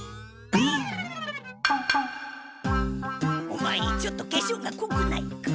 オマエちょっとけしょうがこくないか？